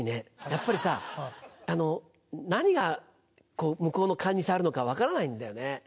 やっぱりさ何が向こうのかんに障るのか分からないんだよね。